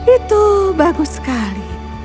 itu bagus sekali